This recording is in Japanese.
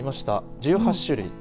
１８種類。